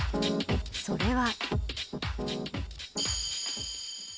それは。